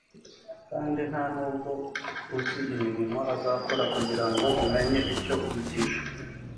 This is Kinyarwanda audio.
kandi nta n’ubwo uzi imirimo azakora kugira ngo umenye icyo wigisha"